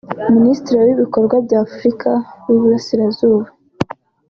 Minisitiri w’Ibikorwa bya Afurika y’Iburasirazuba